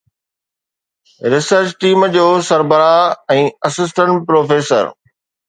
research team جو سربراهه ۽ assistant professor